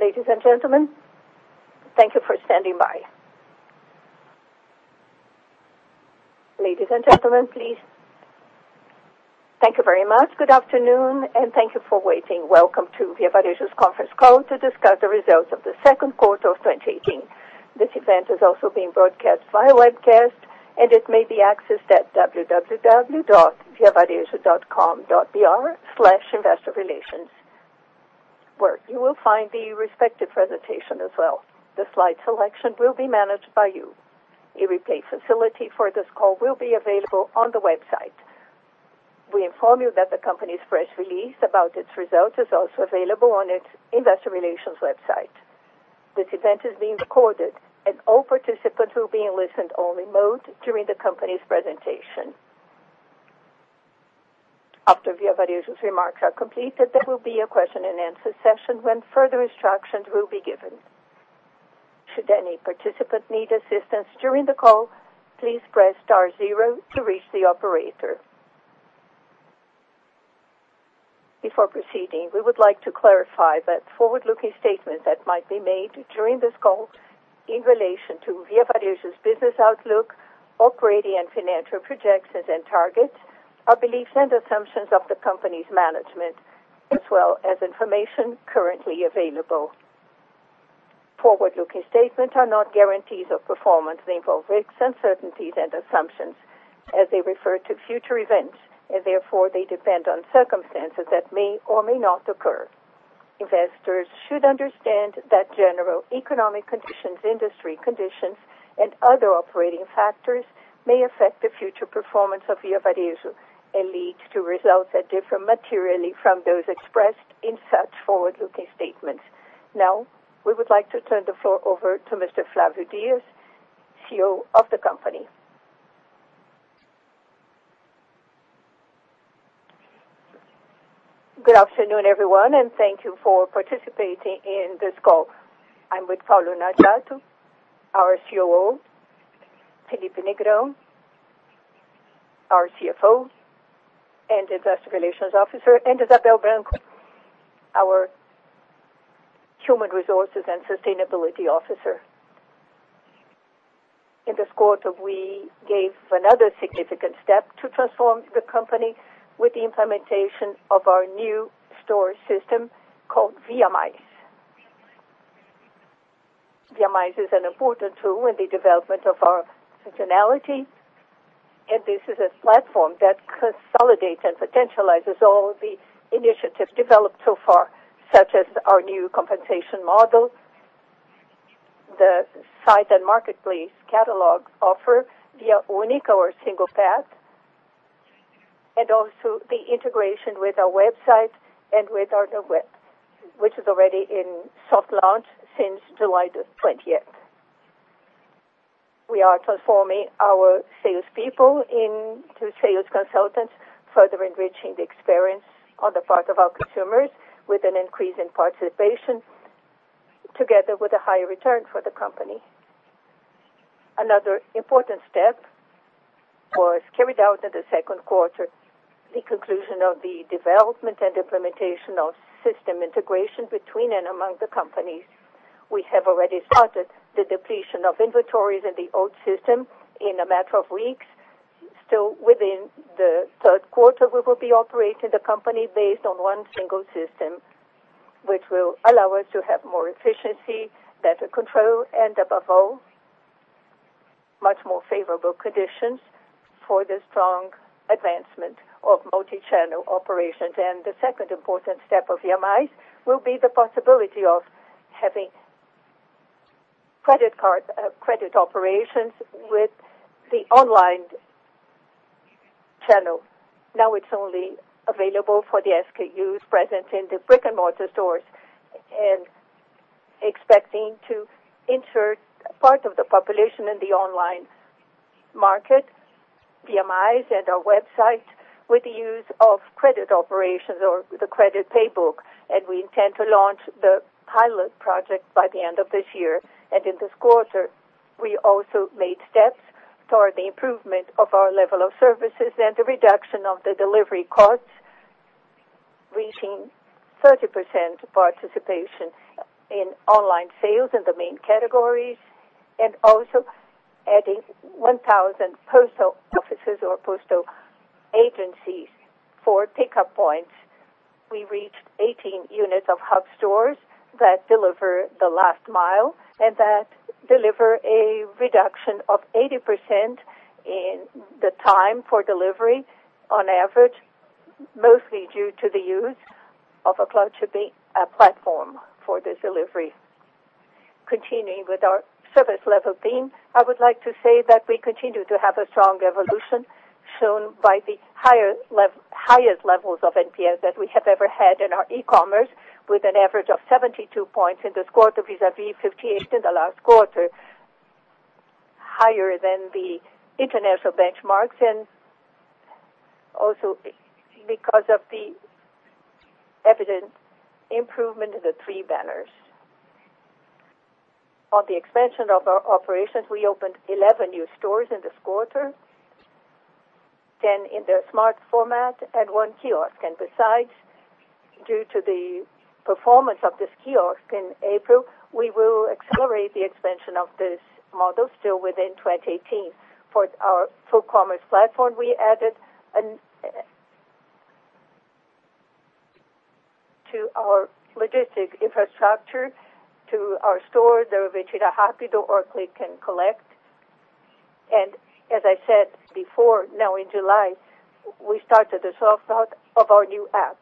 Ladies and gentlemen, thank you for standing by. Ladies and gentlemen, please. Thank you very much. Good afternoon, thank you for waiting. Welcome to Via Varejo's conference call to discuss the results of the second quarter of 2018. This event is also being broadcast via webcast. It may be accessed at www.viavarejo.com.br/investorrelations, where you will find the respective presentation as well. The slide selection will be managed by you. A replay facility for this call will be available on the website. We inform you that the company's press release about its results is also available on its investor relations website. This event is being recorded. All participants will be in listen-only mode during the company's presentation. After Via Varejo's remarks are completed, there will be a question-and-answer session when further instructions will be given. Should any participant need assistance during the call, please press star zero to reach the operator. Before proceeding, we would like to clarify that forward-looking statements that might be made during this call in relation to Via Varejo's business outlook, operating and financial projections and targets, are beliefs and assumptions of the company's management as well as information currently available. Forward-looking statements are not guarantees of performance. They involve risks, uncertainties, and assumptions as they refer to future events. Therefore, they depend on circumstances that may or may not occur. Investors should understand that general economic conditions, industry conditions, and other operating factors may affect the future performance of Via Varejo and lead to results that differ materially from those expressed in such forward-looking statements. Now, we would like to turn the floor over to Mr. Flávio Dias, CEO of the company. Good afternoon, everyone, thank you for participating in this call. I'm with Paulo Nagato, our COO, Felipe Negrão, our CFO and Investor Relations Officer, Izabel Branco, our Human Resources and Sustainability Officer. In this quarter, we gave another significant step to transform the company with the implementation of our new store system called Via.ai. Via.ai is an important tool in the development of our functionality. This is a platform that consolidates and potentializes all the initiatives developed so far, such as our new compensation model, the site and marketplace catalog offer Via Única or Single Path, and also the integration with our website and with our new app, which is already in soft launch since July 20th. We are transforming our salespeople into sales consultants, further enriching the experience on the part of our consumers with an increase in participation together with a higher return for the company. Another important step was carried out in the second quarter, the conclusion of the development and implementation of system integration between and among the companies. We have already started the depletion of inventories in the old system in a matter of weeks. Still within the third quarter, we will be operating the company based on one single system, which will allow us to have more efficiency, better control, above all, much more favorable conditions for the strong advancement of multi-channel operations. The second important step of Via.ai will be the possibility of having credit operations with the online channel. Now it's only available for the SKUs present in the brick-and-mortar stores and expecting to insert part of the population in the online market, Via.ai and our website, with the use of credit operations or the credit pay book. We intend to launch the pilot project by the end of this year. In this quarter, we also made steps toward the improvement of our level of services and the reduction of the delivery costs, reaching 30.7% participation in online sales in the main categories, adding 1,000 postal offices or postal agencies for pickup points. We reached 18 units of hub stores that deliver the last mile and that deliver a reduction of 80% in the time for delivery on average, mostly due to the use of a cloud shipping platform for the delivery. Continuing with our service level theme, I would like to say that we continue to have a strong evolution shown by the highest levels of NPS that we have ever had in our e-commerce, with an average of 72 points in this quarter vis-à-vis 58 in the last quarter, higher than the international benchmarks, also because of the evident improvement in the three banners. On the expansion of our operations, we opened 11 new stores in this quarter, 10 in the smart format and one kiosk. Besides, due to the performance of this kiosk in April, we will accelerate the expansion of this model still within 2018. For our full commerce platform, we added to our logistic infrastructure, to our stores, the Retira Rápido or click and collect. As I said before, now in July, we started the soft launch of our new app.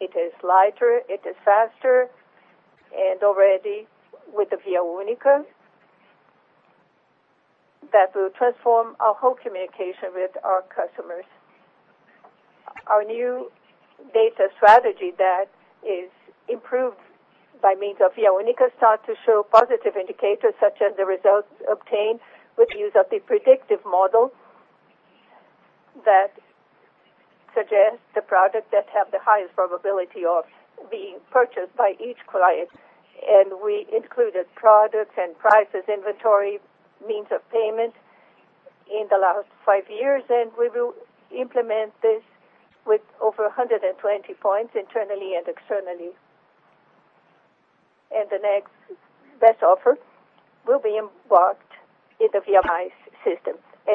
It is lighter, it is faster, already with the Via Única that will transform our whole communication with our customers. Our new data strategy that is improved by means of Via Única start to show positive indicators such as the results obtained with use of the predictive model that suggests the product that have the highest probability of being purchased by each client. We included products and prices, inventory, means of payment in the last five years, we will implement this with over 120 points internally and externally. The next best offer will be embarked in the VMI system.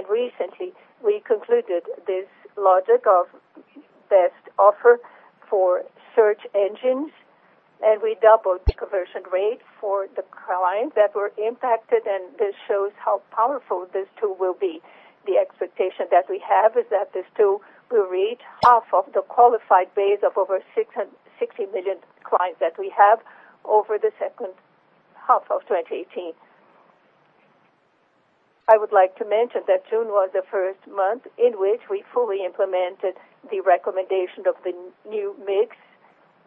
Recently, we concluded this logic of best offer for search engines, we doubled conversion rate for the clients that were impacted, this shows how powerful this tool will be. The expectation that we have is that this tool will reach half of the qualified base of over 660 million clients that we have over the second half of 2018. I would like to mention that June was the first month in which we fully implemented the recommendation of the new mix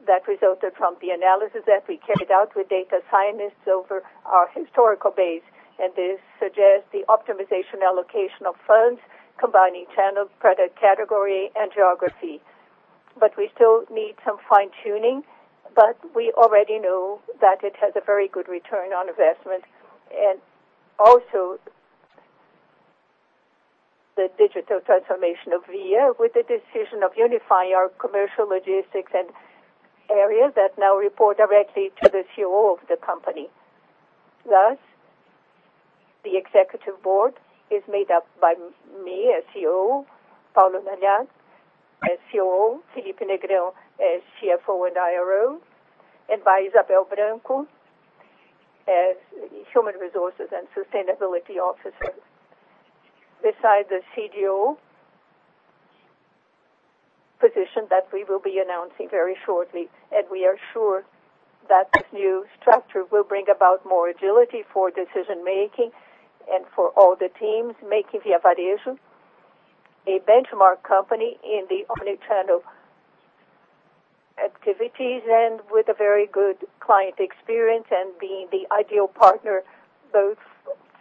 that resulted from the analysis that we carried out with data scientists over our historical base. This suggests the optimization allocation of funds combining channel, product category, and geography. We still need some fine-tuning, but we already know that it has a very good return on investment. Also the digital transformation of Via with the decision of unifying our commercial logistics and areas that now report directly to the COO of the company. Thus, the executive board is made up by me as CEO, Paulo Nagato as COO, Felipe Negrão as CFO and IRO, and by Izabel Branco as human resources and sustainability officer. Besides the CDO position that we will be announcing very shortly. We are sure that this new structure will bring about more agility for decision making and for all the teams making Via Varejo a benchmark company in the omni-channel activities and with a very good client experience and being the ideal partner both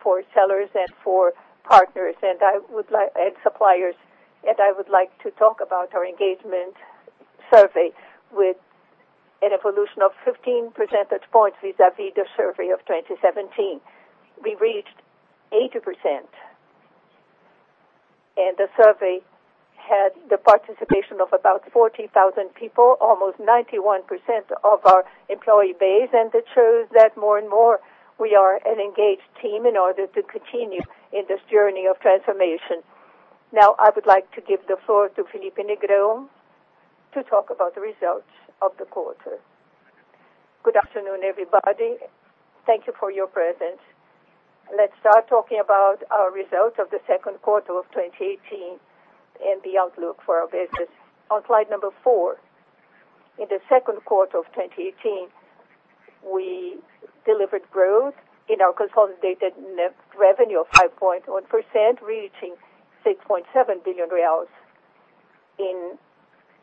for sellers and for partners and suppliers. I would like to talk about our engagement survey with an evolution of 15 percentage points vis-à-vis the survey of 2017. We reached 80%. The survey had the participation of about 40,000 people, almost 91% of our employee base. It shows that more and more we are an engaged team in order to continue in this journey of transformation. Now, I would like to give the floor to Felipe Negrão to talk about the results of the quarter. Good afternoon, everybody. Thank you for your presence. Let's start talking about our results of the second quarter of 2018 and the outlook for our business. On slide four. In the second quarter of 2018, we delivered growth in our consolidated net revenue of 5.1%, reaching 6.7 billion reais. In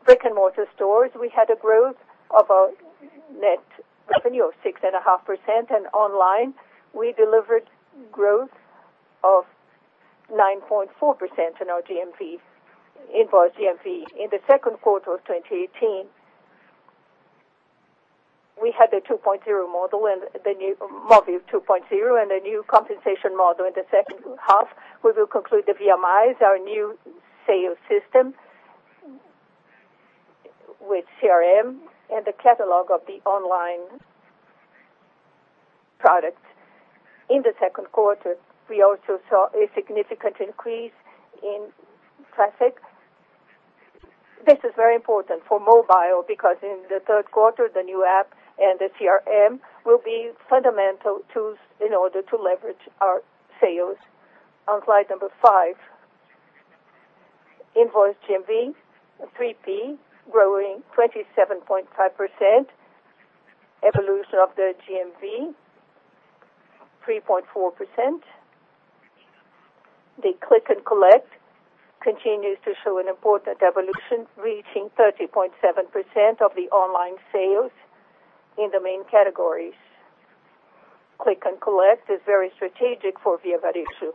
brick-and-mortar stores, we had a growth of our net revenue of 6.5%, and online, we delivered growth of 9.4% in our invoice GMV. In the second quarter of 2018, we had the 2.0 model-- the mobile 2.0 and a new compensation model. In the second half, we will conclude the VMI, our new sales system with CRM and the catalog of the online product. In the second quarter, we also saw a significant increase in traffic. This is very important for mobile because in the third quarter, the new app and the CRM will be fundamental tools in order to leverage our sales. On slide five. Invoice GMV 3P growing 27.5%. Evolution of the GMV, 3.4%. The click and collect continues to show an important evolution, reaching 30.7% of the online sales in the main categories. Click and collect is very strategic for Via Varejo.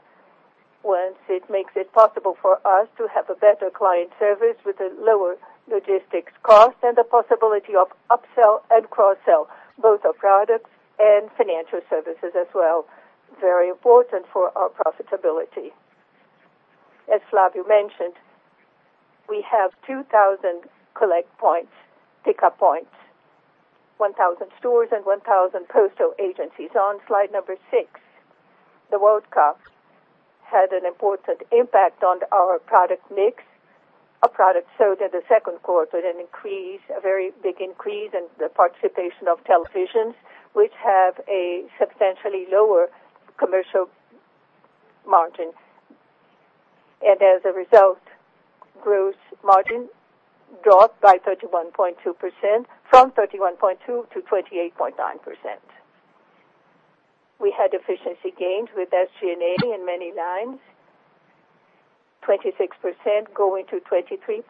Once it makes it possible for us to have a better client service with a lower logistics cost and the possibility of upsell and cross-sell, both our products and financial services as well, very important for our profitability. As Flávio mentioned, we have 2,000 collect points, pickup points, 1,000 stores and 1,000 postal agencies. On slide six, the World Cup had an important impact on our product mix. Our product sold in the second quarter had a very big increase in the participation of televisions, which have a substantially lower commercial margin. As a result, gross margin dropped by 31.2%, from 31.2% to 28.9%. We had efficiency gains with SG&A in many lines, 26% going to 23.2%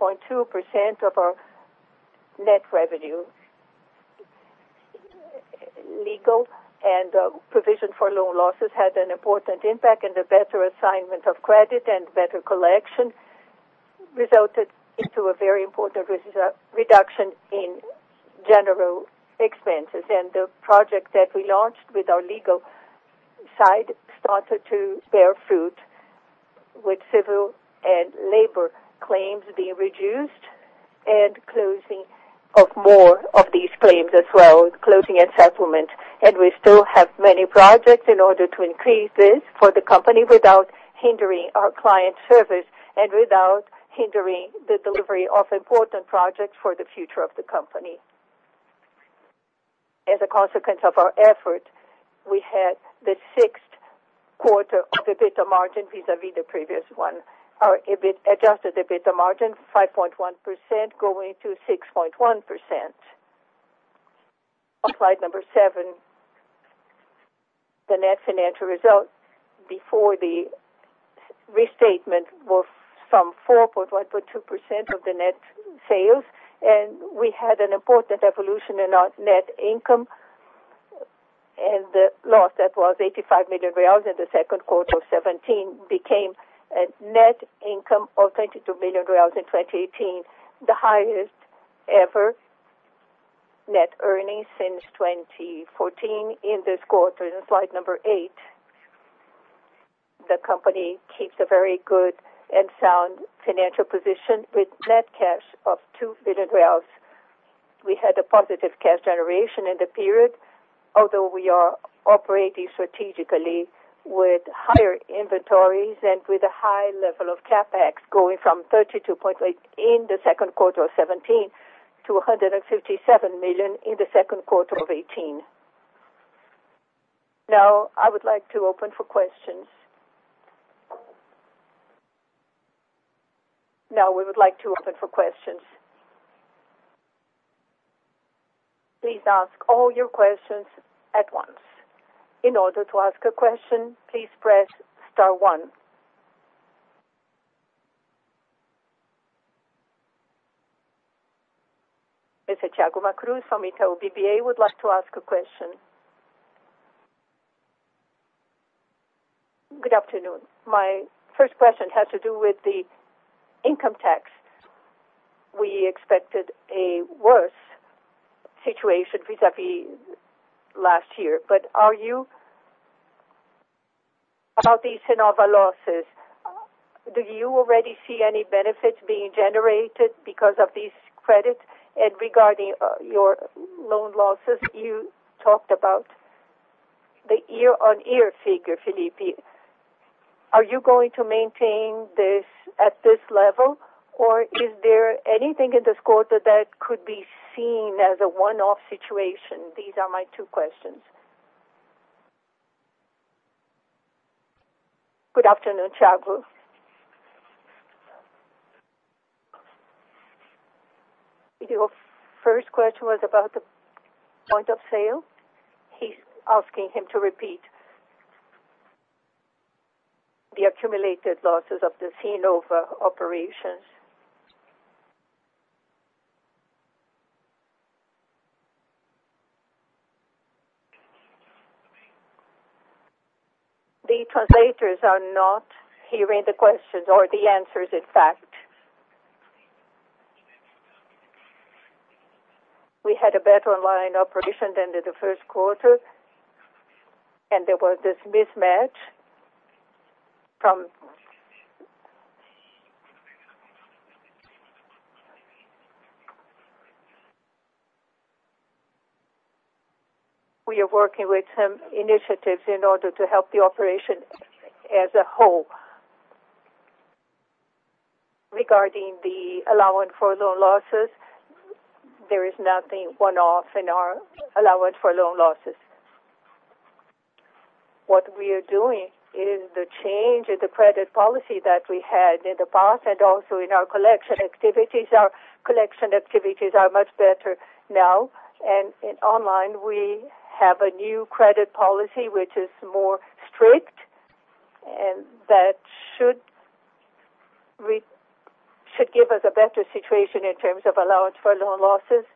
of our net revenue. Legal and provision for loan losses had an important impact, and the better assignment of credit and better collection resulted into a very important reduction in general expenses. The project that we launched with our legal side started to bear fruit with civil and labor claims being reduced and closing of more of these claims as well, closing and settlement. We still have many projects in order to increase this for the company without hindering our client service and without hindering the delivery of important projects for the future of the company. As a consequence of our effort, we had the sixth consecutive quarter of EBITDA margin growth. Our adjusted EBITDA margin 5.1% going to 6.1%. On slide number 7, the net financial results before the restatement were some 4.1% to 2% of the net sales, and we had an important evolution in our net income, and the loss that was 85 million reais in the 2Q 2017 became a net income of 22 million reais in 2018, the highest ever net earnings since 2014 in this quarter. In slide number 8, the company keeps a very good and sound financial position with net cash of 2 billion reais. We had a positive cash generation in the period, although we are operating strategically with higher inventories and with a high level of CapEx going from 32.8 million in the 2Q 2017 to 157 million in the 2Q 2018. Now I would like to open for questions. Now we would like to open for questions. Please ask all your questions at once. In order to ask a question, please press star one. Mr. Tiago Cruz from Itaú BBA would like to ask a question. Good afternoon. My first question has to do with the income tax. We expected a worse situation vis-à-vis last year. About these Cnova losses, do you already see any benefits being generated because of these credits? And regarding your loan losses, you talked about the year-on-year figure, Felipe. Are you going to maintain this at this level, or is there anything in this quarter that could be seen as a one-off situation? These are my two questions. Good afternoon, Tiago. Your first question was about the point of sale? He's asking him to repeat. The accumulated losses of the Cnova operations. The translators are not hearing the questions or the answers, in fact. We had a better online operation than the first quarter. We are working with some initiatives in order to help the operation as a whole. Regarding the allowance for loan losses, there is nothing one-off in our allowance for loan losses. What we are doing is the change in the credit policy that we had in the past and also in our collection activities. Our collection activities are much better now. In online, we have a new credit policy which is stricter, and that should. We should give us a better situation in terms of allowance for loan losses.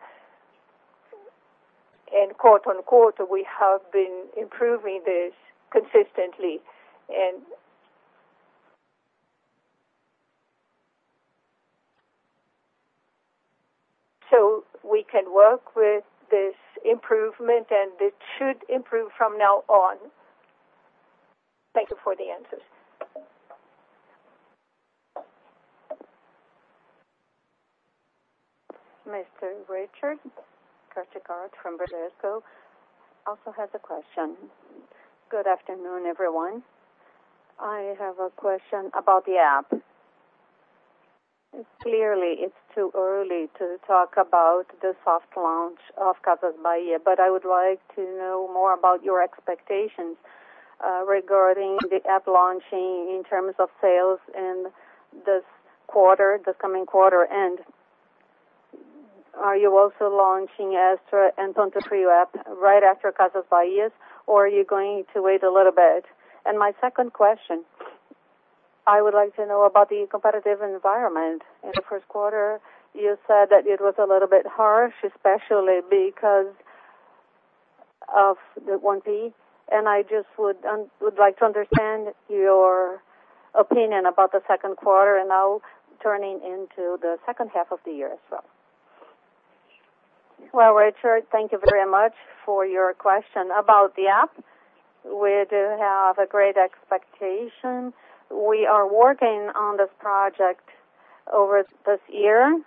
Quarter-on-quarter, we have been improving this consistently. We can work with this improvement, and it should improve from now on. Thank you for the answers. Mr. Richard Castagnaro from Bradesco also has a question. Good afternoon, everyone. I have a question about the app. Clearly, it's too early to talk about the soft launch of Casas Bahia, but I would like to know more about your expectations regarding the app launching in terms of sales in this quarter, the coming quarter. Are you also launching Extra and Pontofrio app right after Casas Bahia's or are you going to wait a little bit? My second question, I would like to know about the competitive environment. In the first quarter, you said that it was a little bit harsh, especially because of the 1P, and I just would like to understand your opinion about the second quarter and now turning into the second half of the year as well. Well, Richard, thank you very much for your question. About the app, we do have a great expectation. We are working on this project over this year.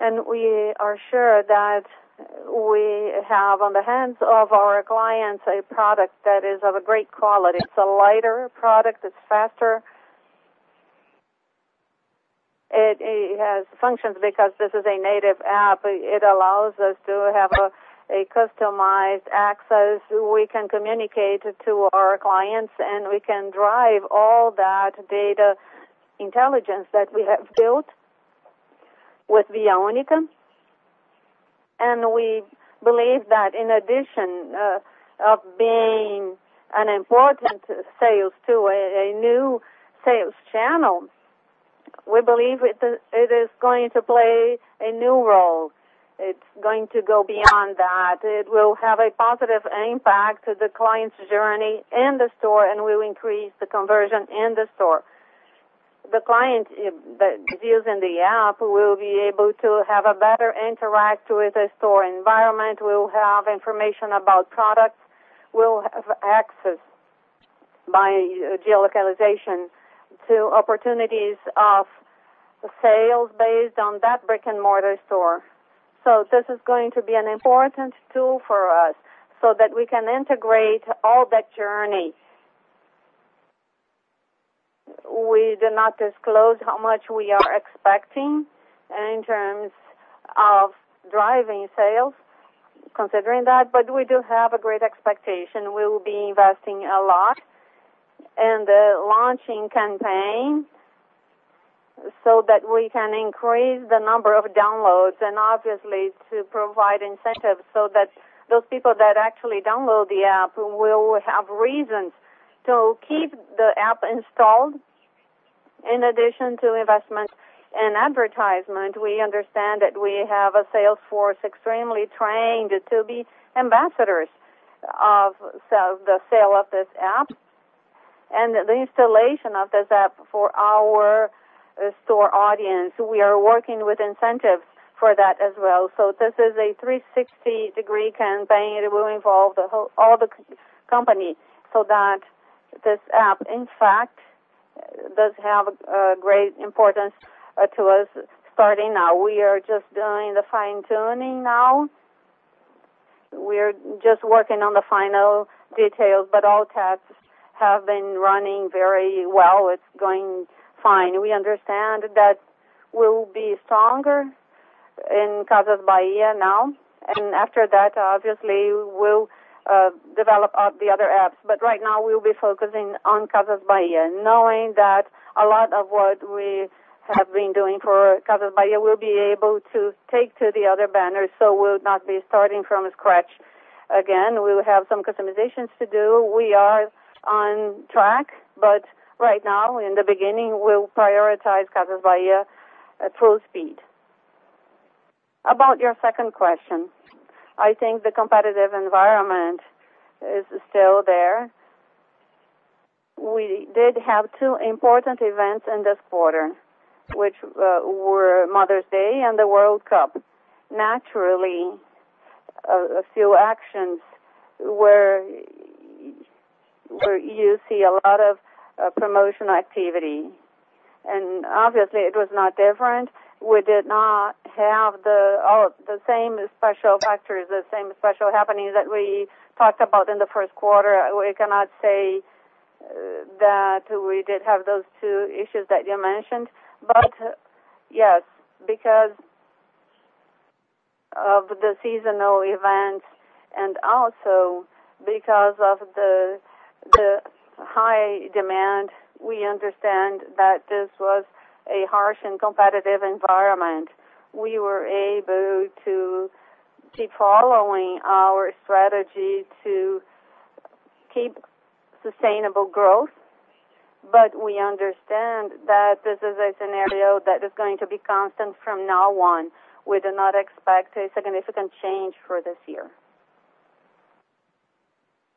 We are sure that we have on the hands of our clients a product that is of a great quality. It's a lighter product. It's faster. It has functions because this is a native app. It allows us to have a customized access. We can communicate to our clients, and we can drive all that data intelligence that we have built with Via Única. We believe that in addition of being an important sales tool, a new sales channel, we believe it is going to play a new role. It's going to go beyond that. It will have a positive impact to the client's journey in the store and will increase the conversion in the store. The client that views in the app will be able to have a better interact with the store environment, will have information about products, will have access by geo-localization to opportunities of sales based on that brick-and-mortar store. This is going to be an important tool for us so that we can integrate all that journey. We do not disclose how much we are expecting in terms of driving sales considering that, but we do have a great expectation. We will be investing a lot in the launching campaign so that we can increase the number of downloads and obviously to provide incentives so that those people that actually download the app will have reasons to keep the app installed. In addition to investment and advertisement, we understand that we have a sales force extremely trained to be ambassadors of the sale of this app and the installation of this app for our store audience. We are working with incentives for that as well. This is a 360-degree campaign. It will involve all the company so that this app, in fact, does have a great importance to us starting now. We are just doing the fine-tuning now. We're just working on the final details, but all tests have been running very well. It's going fine. We understand that we'll be stronger in Casas Bahia now. After that, obviously, we'll develop out the other apps. Right now, we'll be focusing on Casas Bahia, knowing that a lot of what we have been doing for Casas Bahia we'll be able to take to the other banners, we'll not be starting from scratch again. We will have some customizations to do. We are on track, but right now, in the beginning, we'll prioritize Casas Bahia at full speed. About your second question, I think the competitive environment is still there. We did have two important events in this quarter, which were Mother's Day and the World Cup. Naturally, a few actions where you see a lot of promotion activity. Obviously, it was not different. We did not have the same special factors, the same special happenings that we talked about in the first quarter. We cannot say that we did have those two issues that you mentioned. Yes, because of the seasonal events and also because of the high demand, we understand that this was a harsh and competitive environment. We were able to keep following our strategy to keep sustainable growth. We understand that this is a scenario that is going to be constant from now on. We do not expect a significant change for this year.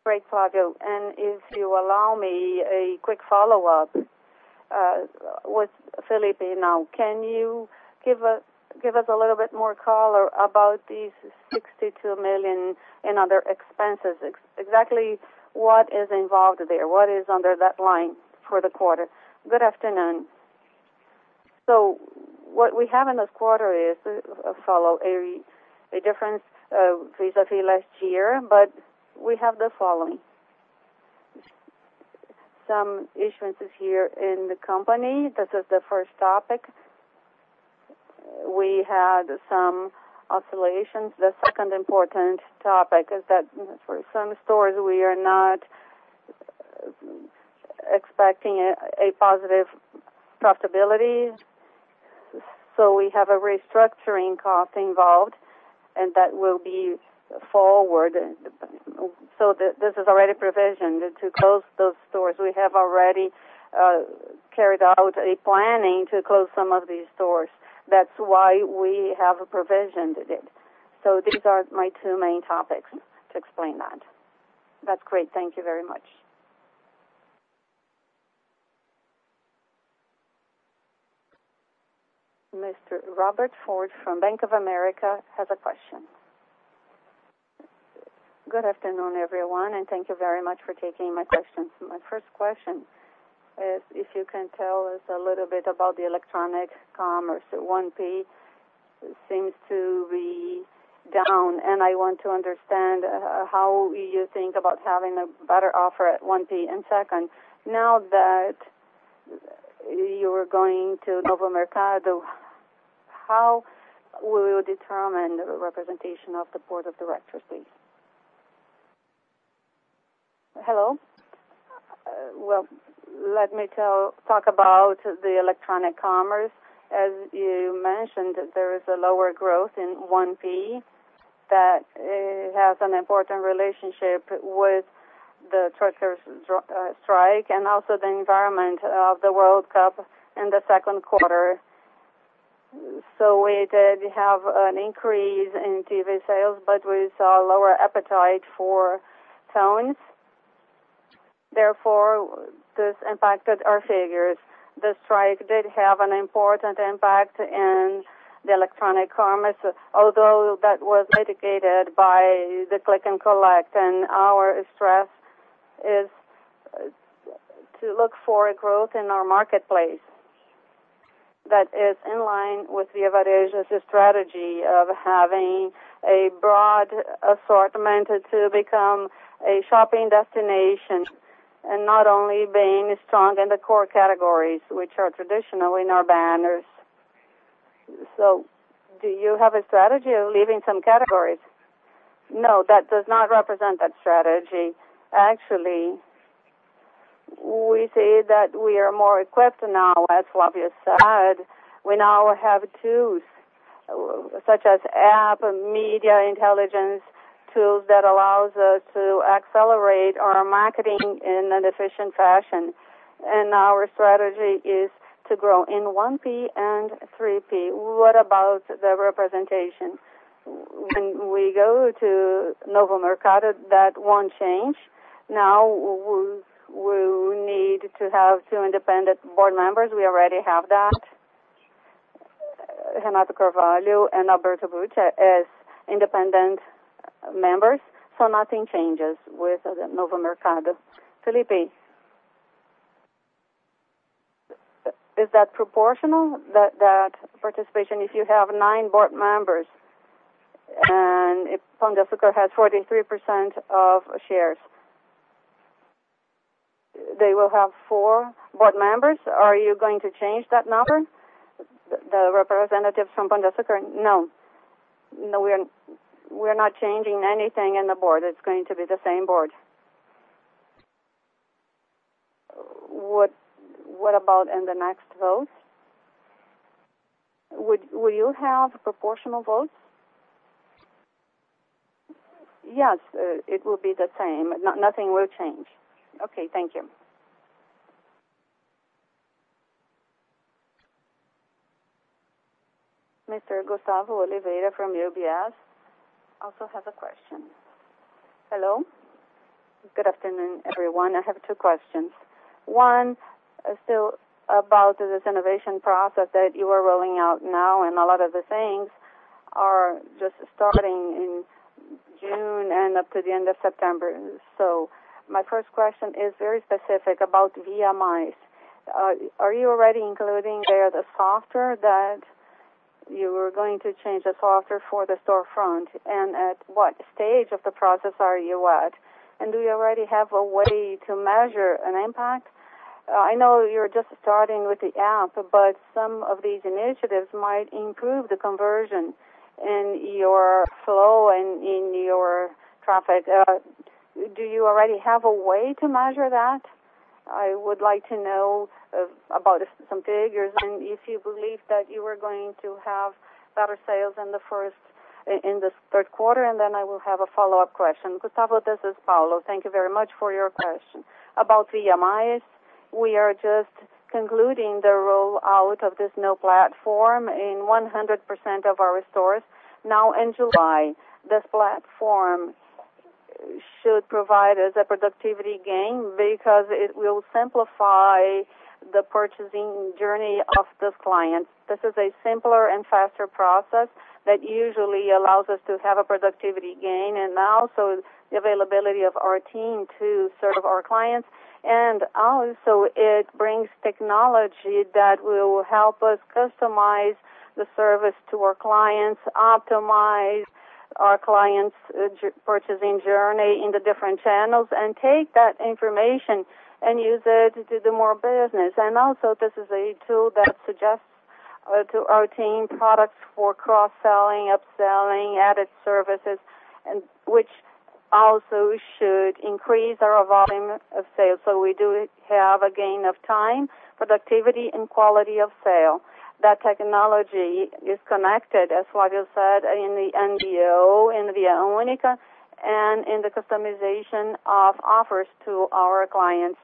Great, Flávio. If you allow me a quick follow-up, with Felipe now. Can you give us a little bit more color about these 62 million in other expenses? Exactly what is involved there? What is under that line for the quarter? Good afternoon. What we have in this quarter is the following, a difference vis-a-vis last year, but we have the following. Some issuances here in the company. This is the first topic. We had some oscillations. The second important topic is that for some stores, we are not expecting a positive profitability. We have a restructuring cost involved, and that will be forward. This is already provisioned to close those stores. We have already carried out a planning to close some of these stores. That's why we have provisioned it. These are my two main topics to explain that. That's great. Thank you very much. Mr. Robert Ford from Bank of America has a question. Good afternoon, everyone, and thank you very much for taking my questions. My first question is if you can tell us a little bit about the electronic commerce, 1P seems to be down, and I want to understand how you think about having a better offer at 1P. Second, now that you are going to Novo Mercado, how will you determine the representation of the board of directors, please? Hello. Well, let me talk about the electronic commerce. As you mentioned, there is a lower growth in 1P. That has an important relationship with the truckers' strike and also the environment of the World Cup in the second quarter. We did have an increase in TV sales, but we saw lower appetite for phones. Therefore, this impacted our figures. The strike did have an important impact in the electronic commerce, although that was mitigated by the Retira Rápido, and our strategy is to look for a growth in our marketplace that is in line with Via Varejo's strategy of having a broad assortment to become a shopping destination and not only being strong in the core categories, which are traditionally in our banners. Do you have a strategy of leaving some categories? No, that does not represent that strategy. Actually, we say that we are more equipped now, as Flávio said. We now have tools such as app, media intelligence tools that allows us to accelerate our marketing in an efficient fashion. Our strategy is to grow in 1P and 3P. What about the representation? When we go to Novo Mercado, that won't change. Now we will need to have two independent board members. We already have that, Renato Carvalho and Alberto Butte as independent members. Nothing changes with Novo Mercado. Felipe, is that proportional, that participation, if you have nine board members, and if Pão de Açúcar has 43% of shares. They will have four board members? Are you going to change that number, the representatives from Pão de Açúcar? No. We're not changing anything in the board. It's going to be the same board. What about in the next votes? Will you have proportional votes? Yes. It will be the same. Nothing will change. Okay. Thank you. Mr. Gustavo Oliveira from UBS also has a question. Hello. Good afternoon, everyone. I have two questions. One is still about this innovation process that you are rolling out now, and a lot of the things are just starting in June and up to the end of September. My first question is very specific about VMIs. Are you already including there the software that you were going to change the software for the storefront? And at what stage of the process are you at? And do you already have a way to measure an impact? I know you're just starting with the app, but some of these initiatives might improve the conversion in your flow and in your traffic. Do you already have a way to measure that? I would like to know about some figures and if you believe that you are going to have better sales in the third quarter, and then I will have a follow-up question. Gustavo, this is Paulo. Thank you very much for your question. About Via+, we are just concluding the rollout of this new platform in 100% of our stores now in July. This platform should provide us a productivity gain because it will simplify the purchasing journey of the client. This is a simpler and faster process that usually allows us to have a productivity gain, and also the availability of our team to serve our clients. It brings technology that will help us customize the service to our clients, optimize our clients' purchasing journey in the different channels, and take that information and use it to do more business. This is a tool that suggests to our team products for cross-selling, upselling, added services, and which also should increase our volume of sales. We do have a gain of time, productivity, and quality of sale. That technology is connected, as Flávio said, in the NBO, in Via Única, and in the customization of offers to our clients.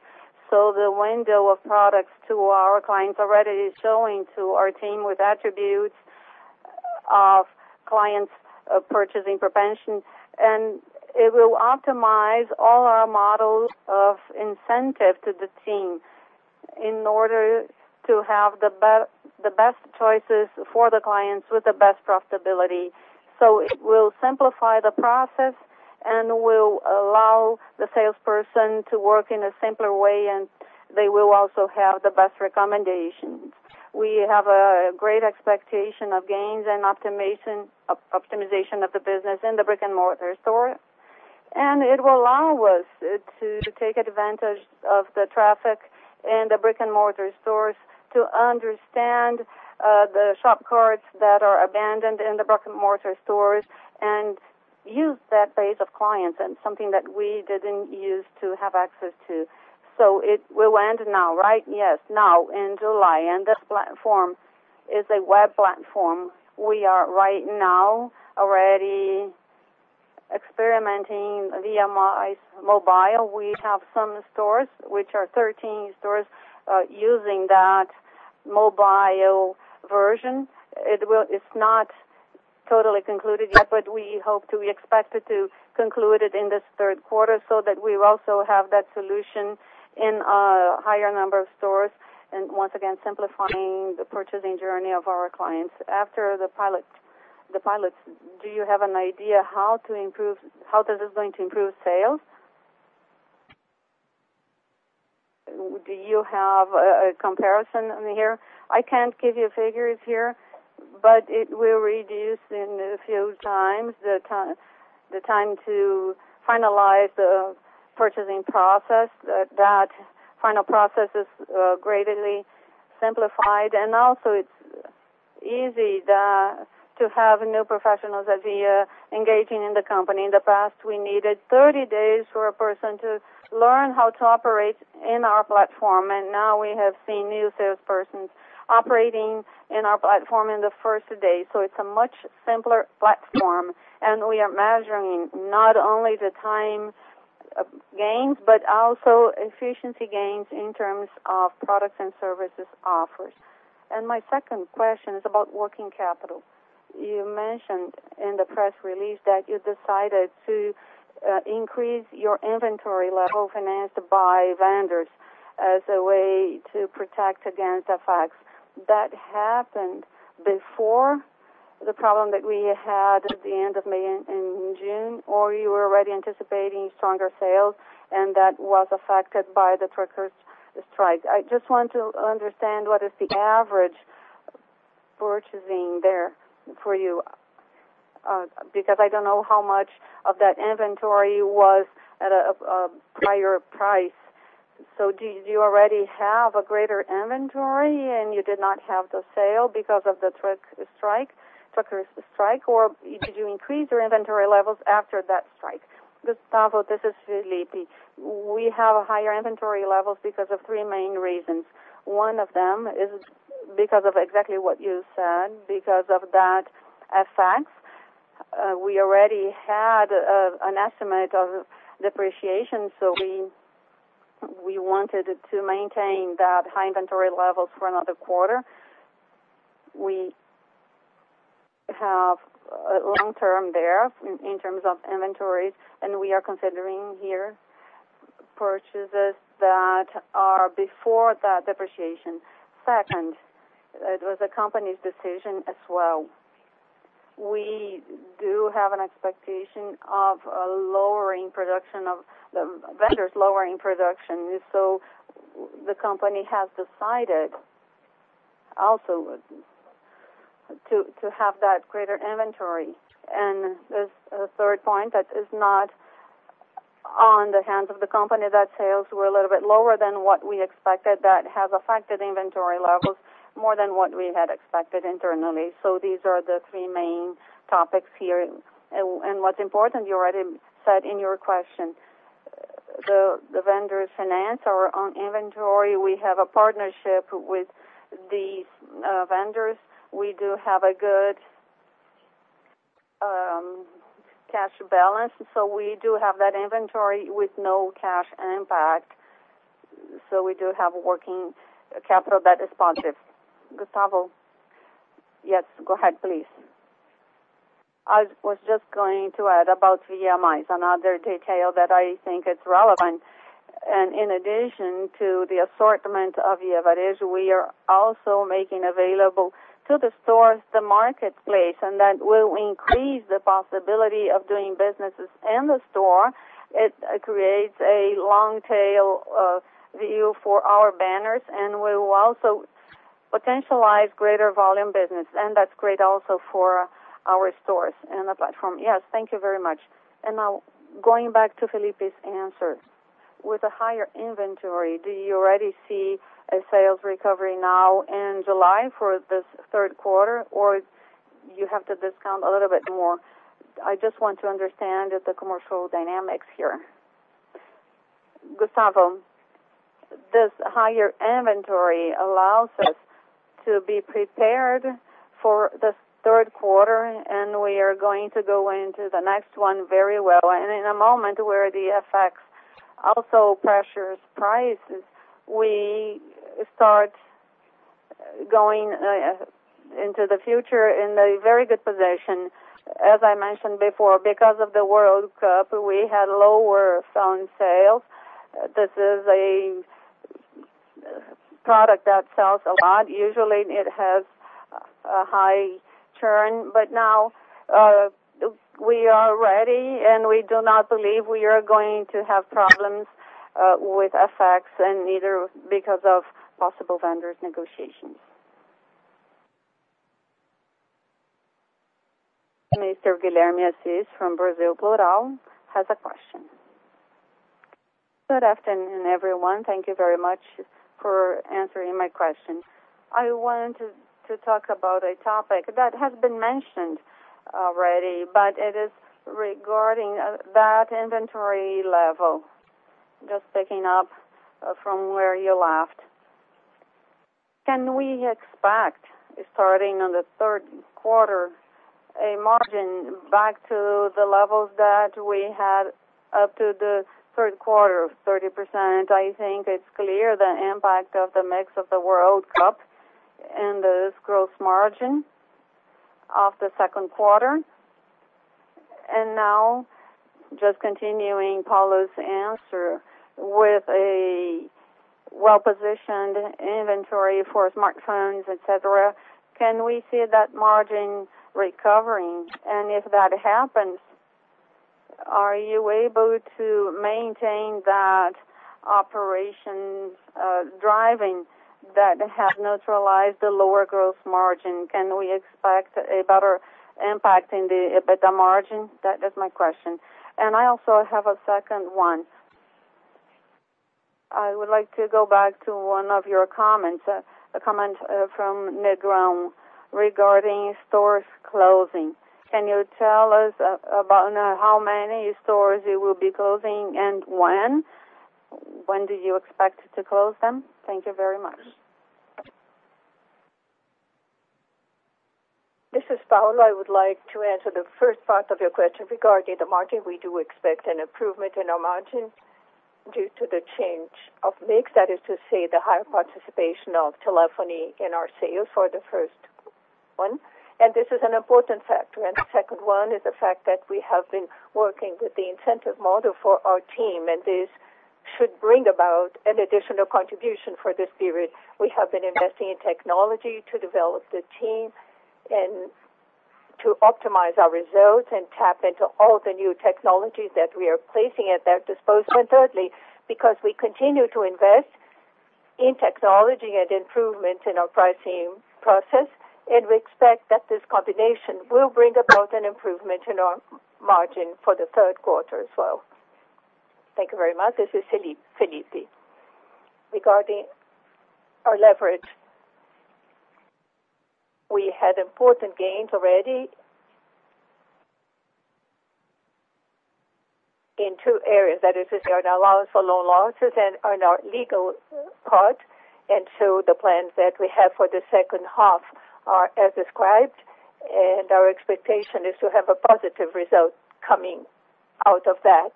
The window of products to our clients already is showing to our team with attributes of clients' purchasing prevention, and it will optimize all our models of incentive to the team in order to have the best choices for the clients with the best profitability. It will simplify the process and will allow the salesperson to work in a simpler way, and they will also have the best recommendations. We have a great expectation of gains and optimization of the business in the brick-and-mortar store. It will allow us to take advantage of the traffic in the brick-and-mortar stores to understand the shop carts that are abandoned in the brick-and-mortar stores and use that base of clients and something that we didn't use to have access to. It will end now, right? Yes, now in July. This platform is a web platform. We are right now already experimenting Via+ mobile. We have some stores, which are 13 stores, using that mobile version. It's not totally concluded yet, but we hope to be expected to conclude it in this third quarter so that we also have that solution in a higher number of stores, and once again, simplifying the purchasing journey of our clients. After the pilots, do you have an idea how this is going to improve sales? Do you have a comparison here? I can't give you figures here, but it will reduce in a few times the time to finalize the purchasing process. That final process is greatly simplified, and also it's easy to have new professionals at Via engaging in the company. In the past, we needed 30 days for a person to learn how to operate in our platform, and now we have seen new salespersons operating in our platform in the first day. It's a much simpler platform, we are measuring not only the time gains, but also efficiency gains in terms of products and services offers. My second question is about working capital. You mentioned in the press release that you decided to increase your inventory level financed by vendors as a way to protect against FX effects. That happened before the problem that we had at the end of May and June, or you were already anticipating stronger sales and that was affected by the Truckers' Strike. I just want to understand what is the average purchasing there for you, because I don't know how much of that inventory was at a prior price. Do you already have a greater inventory and you did not have the sale because of the Truckers' Strike, or did you increase your inventory levels after that strike? Gustavo, this is Lipi. We have higher inventory levels because of three main reasons. One of them is because of exactly what you said, because of that effect. We already had an estimate of depreciation, we wanted to maintain that high inventory levels for another quarter. We have long-term there in terms of inventories, we are considering here purchases that are before that depreciation. Second, it was the company's decision as well. We do have an expectation of vendors lowering production. The company has decided also to have that greater inventory. The third point that is not on the hands of the company, that sales were a little bit lower than what we expected. That has affected inventory levels more than what we had expected internally. These are the three main topics here. What's important, you already said in your question The vendor finance on inventory, we have a partnership with these vendors. We do have a good cash balance. We do have that inventory with no cash impact. We do have working capital that is positive. Gustavo. Yes, go ahead, please. I was just going to add about VMI, another detail that I think it's relevant. In addition to the assortment of marketplace, we are also making available to the stores the marketplace, that will increase the possibility of doing businesses in the store. It creates a long tail view for our banners, we will also potentialize greater volume business. That's great also for our stores and the platform. Yes. Thank you very much. Now going back to Felipe's answer. With a higher inventory, do you already see a sales recovery now in July for this third quarter, or you have to discount a little bit more? I just want to understand the commercial dynamics here. Gustavo, this higher inventory allows us to be prepared for the third quarter, we are going to go into the next one very well. In a moment where the FX also pressures prices, we start going into the future in a very good position. As I mentioned before, because of the World Cup, we had lower phone sales. This is a product that sells a lot. Usually, it has a high churn. Now, we are ready, we do not believe we are going to have problems with FX and neither because of possible vendors negotiations. Mr. Guilherme Assis from Brasil Plural has a question. Good afternoon, everyone. Thank you very much for answering my question. I want to talk about a topic that has been mentioned already, but it is regarding that inventory level. Just picking up from where you left. Can we expect, starting on the third quarter, a margin back to the levels that we had up to the third quarter of 30%? I think it's clear the impact of the mix of the World Cup and this gross margin of the second quarter. Now just continuing Paulo's answer with a well-positioned inventory for smartphones, et cetera, can we see that margin recovering? If that happens, are you able to maintain that operations driving that have neutralized the lower gross margin? Can we expect a better impact in the EBITDA margin? That is my question. I also have a second one. I would like to go back to one of your comments, a comment from Negrão regarding stores closing. Can you tell us about how many stores you will be closing and when? When do you expect to close them? Thank you very much. This is Paulo. I would like to answer the first part of your question. Regarding the margin, we do expect an improvement in our margin due to the change of mix. That is to say, the higher participation of telephony in our sales for the first one. This is an important factor. The second one is the fact that we have been working with the incentive model for our team, and this should bring about an additional contribution for this period. We have been investing in technology to develop the team and to optimize our results and tap into all the new technologies that we are placing at their disposal. Thirdly, because we continue to invest in technology and improvement in our pricing process, and we expect that this combination will bring about an improvement in our margin for the third quarter as well. Thank you very much. This is Felipe. Regarding our leverage, we had important gains already in two areas. That is in our allowance for loan losses and on our legal part. The plans that we have for the second half are as described, and our expectation is to have a positive result coming out of that.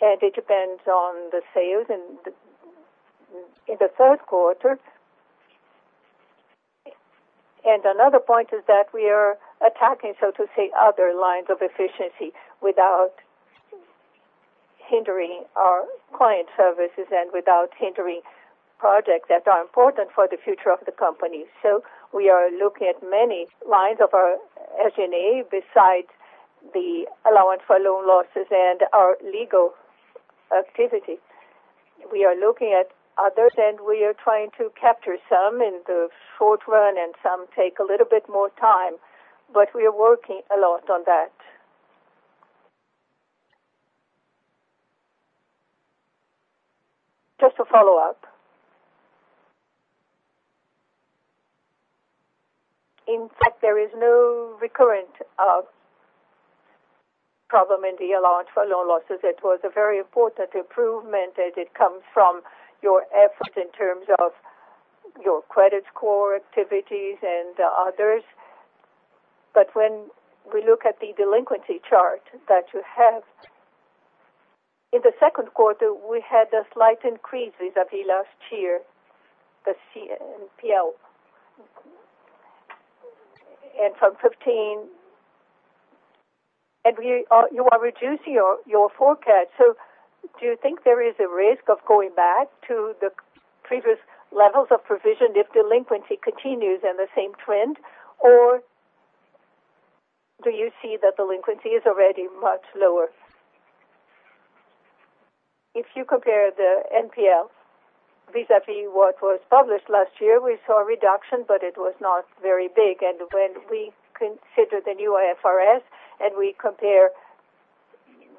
It depends on the sales in the third quarter. Another point is that we are attacking, so to say, other lines of efficiency without hindering our client services and without hindering projects that are important for the future of the company. We are looking at many lines of our SG&A besides the allowance for loan losses and our legal activity. We are looking at others, we are trying to capture some in the short run, some take a little bit more time, we are working a lot on that. Just a follow-up. In fact, there is no recurrent problem in the allowance for loan losses. It was a very important improvement, it comes from your effort in terms of your credit score activities and others. When we look at the delinquency chart that you have, in the second quarter, we had a slight increase vis-à-vis last year, the NPL. From 15, you are reducing your forecast. Do you think there is a risk of going back to the previous levels of provision if delinquency continues in the same trend? Do you see that delinquency is already much lower? If you compare the NPL vis-à-vis what was published last year, we saw a reduction, it was not very big. When we consider the new IFRS, we compare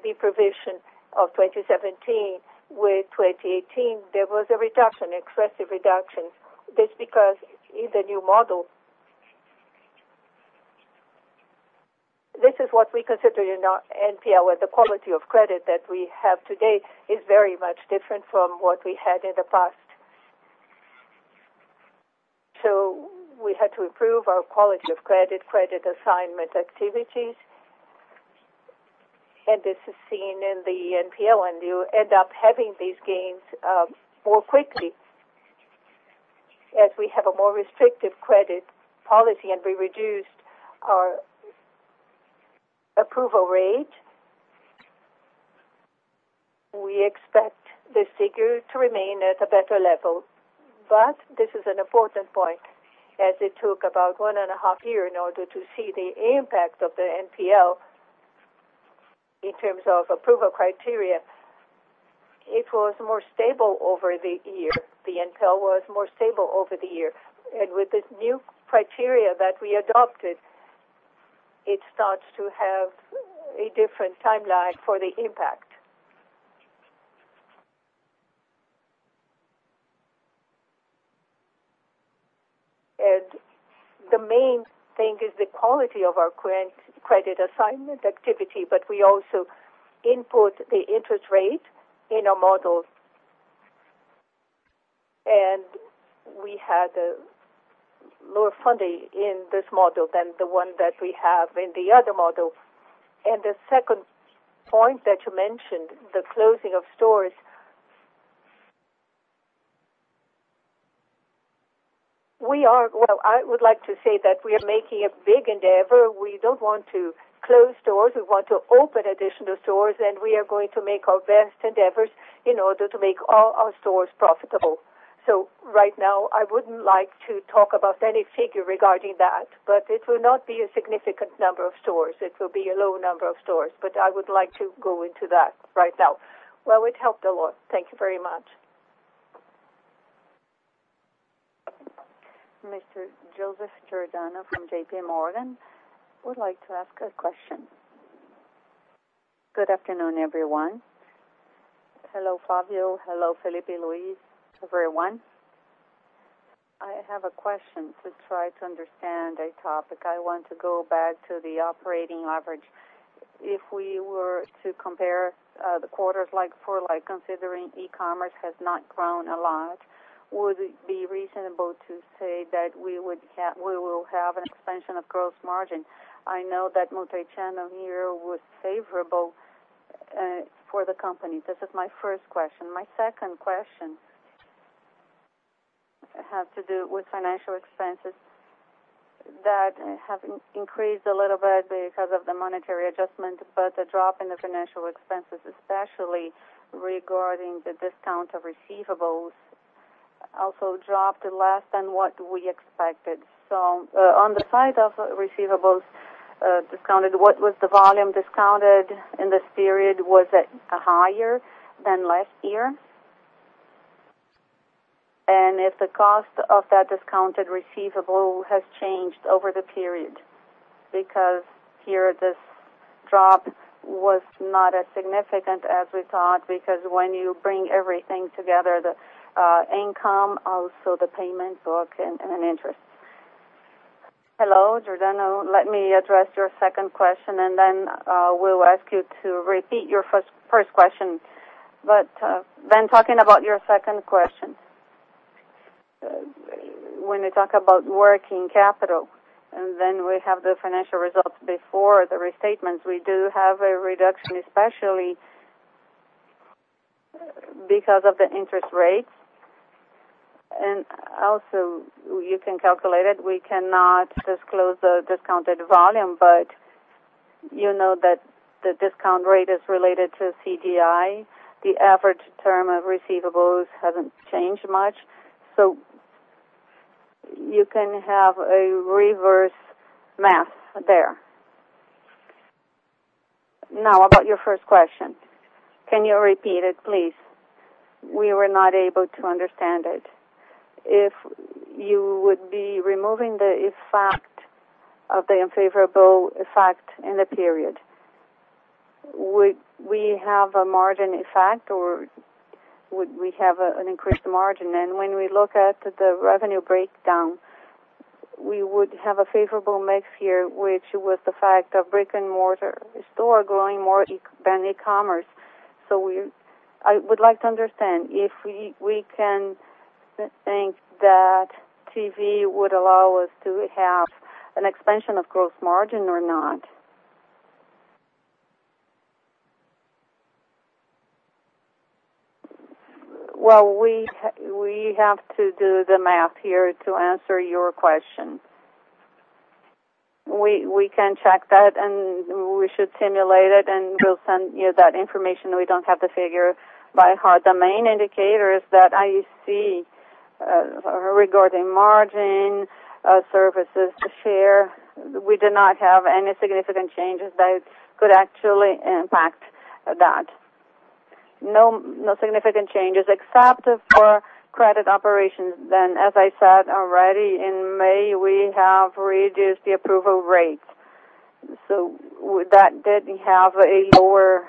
the provision of 2017 with 2018, there was a reduction, excessive reduction. That's because in the new model, this is what we consider an NPL, where the quality of credit that we have today is very much different from what we had in the past. We had to improve our quality of credit assignment activities. This is seen in the NPL, you end up having these gains more quickly as we have a more restrictive credit policy, we reduced our approval rate. We expect this figure to remain at a better level. This is an important point, as it took about one and a half year in order to see the impact of the NPL in terms of approval criteria. It was more stable over the year. The NPL was more stable over the year. With this new criteria that we adopted, it starts to have a different timeline for the impact. The main thing is the quality of our credit assignment activity. We also input the interest rate in our models. We had a lower funding in this model than the one that we have in the other model. The second point that you mentioned, the closing of stores. I would like to say that we are making a big endeavor. We don't want to close stores. We want to open additional stores, and we are going to make our best endeavors in order to make all our stores profitable. Right now, I wouldn't like to talk about any figure regarding that. It will not be a significant number of stores. It will be a low number of stores. I would like to go into that right now. It helped a lot. Thank you very much. Mr. Joseph Giordano from JPMorgan would like to ask a question. Good afternoon, everyone. Hello, Flávio. Hello, Felipe, Luis, everyone. I have a question to try to understand a topic. I want to go back to the operating leverage. If we were to compare the quarters like for like, considering e-commerce has not grown a lot, would it be reasonable to say that we will have an expansion of gross margin? I know that multi-channel here was favorable for the company. This is my first question. My second question has to do with financial expenses that have increased a little bit because of the monetary adjustment. The drop in the financial expenses, especially regarding the discount of receivables, also dropped less than what we expected. On the side of receivables discounted, what was the volume discounted in this period? Was it higher than last year? If the cost of that discounted receivable has changed over the period, because here this drop was not as significant as we thought, because when you bring everything together, the income, also the payment book, and interest. Hello, Giordano. Let me address your second question, and then we'll ask you to repeat your first question. Talking about your second question. When you talk about working capital, we have the financial results before the restatements, we do have a reduction, especially because of the interest rates. Also, you can calculate it. We cannot disclose the discounted volume. You know that the discount rate is related to CDI. The average term of receivables hasn't changed much. You can have a reverse math there. About your first question, can you repeat it, please? We were not able to understand it. If you would be removing the effect of the unfavorable effect in the period Would we have a margin effect or would we have an increased margin? When we look at the revenue breakdown, we would have a favorable mix here, which was the fact of brick-and-mortar store growing more than e-commerce. I would like to understand if we can think that TV would allow us to have an expansion of gross margin or not. We have to do the math here to answer your question. We can check that, and we should simulate it, and we'll send you that information. We don't have the figure by heart. The main indicators that I see regarding margin, services to share, we did not have any significant changes that could actually impact that. No significant changes except for credit operations. As I said already, in May, we have reduced the approval rates. That did have a lower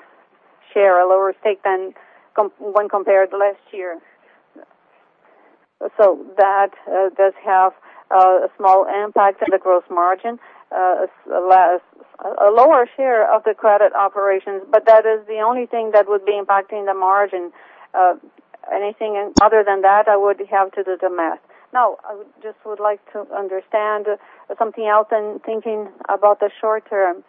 share, a lower stake than when compared to last year. That does have a small impact on the gross margin, a lower share of the credit operations, but that is the only thing that would be impacting the margin. Anything other than that, I would have to do the math. I just would like to understand something else and thinking about the short term.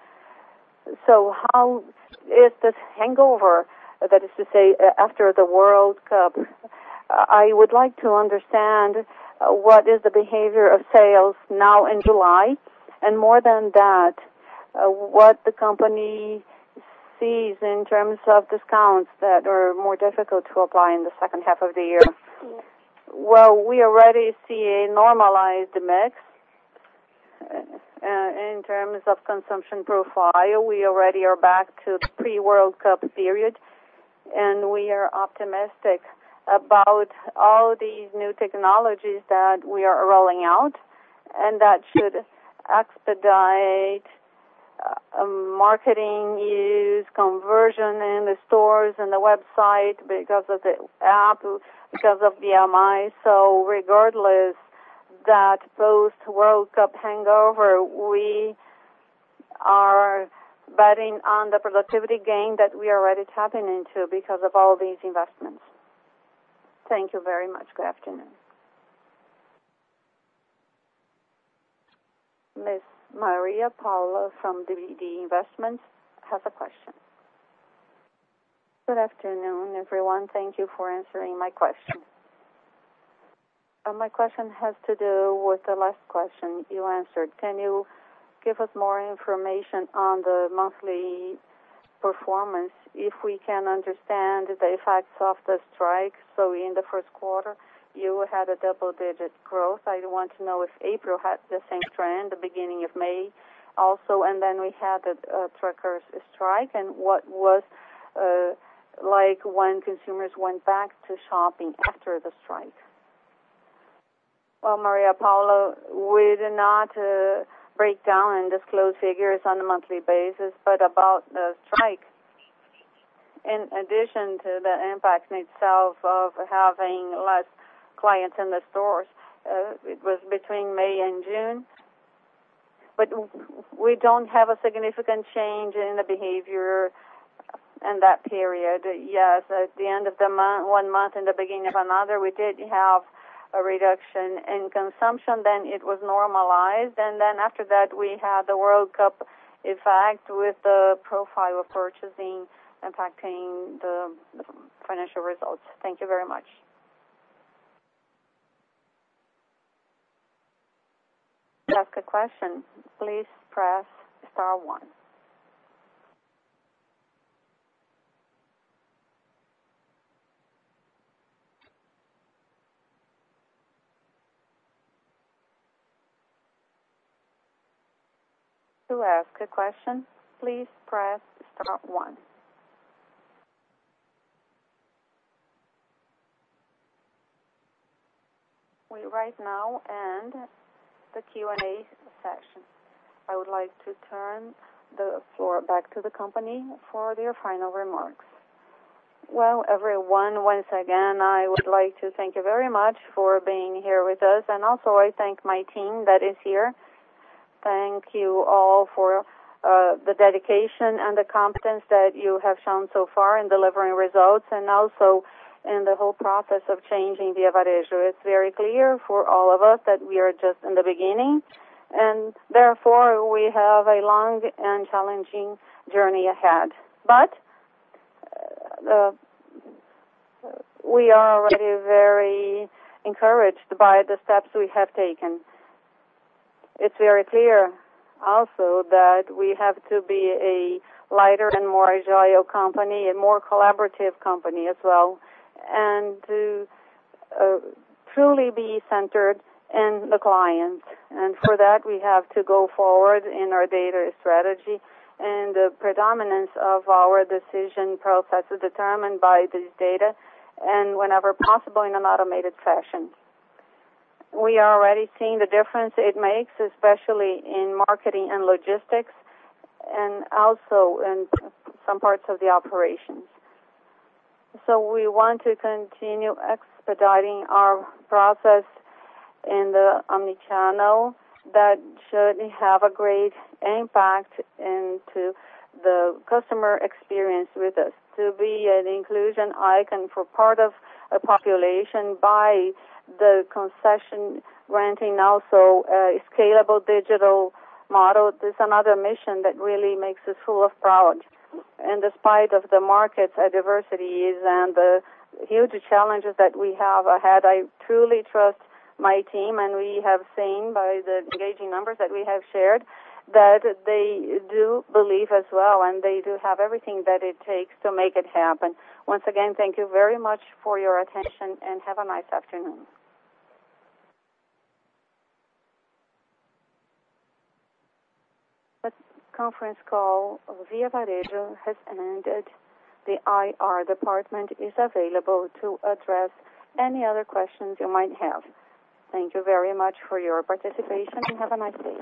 How is this hangover, that is to say, after the World Cup, I would like to understand what is the behavior of sales now in July, and more than that, what the company sees in terms of discounts that are more difficult to apply in the second half of the year. We already see a normalized mix. In terms of consumption profile, we already are back to pre-World Cup period, we are optimistic about all these new technologies that we are rolling out, that should expedite marketing use, conversion in the stores and the website because of the app, because of VMI. Regardless that post-World Cup hangover, we are betting on the productivity gain that we are already tapping into because of all these investments. Thank you very much. Good afternoon. Ms. Maria Paula from DDD Investments has a question. Good afternoon, everyone. Thank you for answering my question. My question has to do with the last question you answered. Can you give us more information on the monthly performance, if we can understand the effects of the strike? In the first quarter, you had a double-digit growth. I want to know if April had the same trend, the beginning of May also, we had a truckers strike, what was like when consumers went back to shopping after the strike. Maria Paula, we do not break down and disclose figures on a monthly basis, about the strike, in addition to the impact itself of having less clients in the stores, it was between May and June. We don't have a significant change in the behavior in that period. At the end of one month and the beginning of another, we did have a reduction in consumption. It was normalized. After that, we had the World Cup effect with the profile of purchasing impacting the financial results. Thank you very much. To ask a question, please press star one. To ask a question, please press star one. We right now end the Q&A session. I would like to turn the floor back to the company for their final remarks. Well, everyone, once again, I would like to thank you very much for being here with us. Also I thank my team that is here. Thank you all for the dedication and the competence that you have shown so far in delivering results, and also in the whole process of changing Via Varejo. It's very clear for all of us that we are just in the beginning. Therefore, we have a long and challenging journey ahead. We are already very encouraged by the steps we have taken. It's very clear also that we have to be a lighter and more agile company, a more collaborative company as well, and to truly be centered in the client. For that, we have to go forward in our data strategy and the predominance of our decision processes determined by this data, and whenever possible, in an automated fashion. We are already seeing the difference it makes, especially in marketing and logistics, and also in some parts of the operations. We want to continue expediting our process in the omni-channel. That should have a great impact into the customer experience with us. To be an inclusion icon for part of a population by the concession granting also a scalable digital model. This another mission that really makes us full of proud. Despite of the market adversities and the huge challenges that we have ahead, I truly trust my team. We have seen by the engaging numbers that we have shared, that they do believe as well, and they do have everything that it takes to make it happen. Once again, thank you very much for your attention, and have a nice afternoon. This conference call, Via Varejo, has ended. The IR department is available to address any other questions you might have. Thank you very much for your participation and have a nice day.